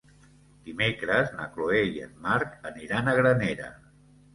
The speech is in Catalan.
Dimecres na Chloé i en Marc aniran a Granera.